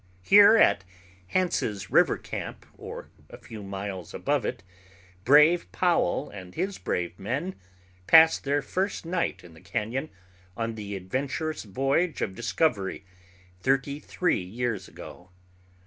Here at Hance's river camp or a few miles above it brave Powell and his brave men passed their first night in the cañon on the adventurous voyage of discovery thirty three years ago.